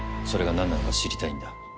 それが何なのか知りたいんだ。